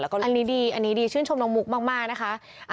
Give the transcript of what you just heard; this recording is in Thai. แล้วก็อันนี้ดีอันนี้ดีชื่นชมน้องมุกมากนะคะ